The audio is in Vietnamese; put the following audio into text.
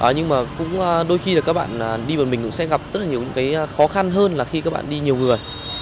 nhưng mà đôi khi các bạn đi một mình cũng sẽ gặp rất là nhiều khó khăn hơn là khi các bạn đi nhiều người